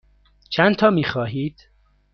چندتا می خواهید؟